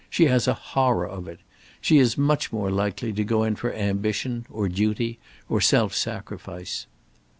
She has a horror of it. She is much more likely to go in for ambition, or duty, or self sacrifice."